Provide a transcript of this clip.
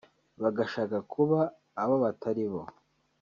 bagashaka kuba abo batari bo